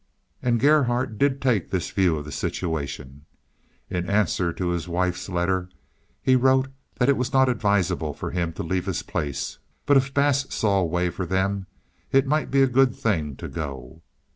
And Gerhardt did take this view of the situation. In answer to his wife's letter he wrote that it was not advisable for him to leave his place, but if Bass saw a way for them, it might be a good thing to go.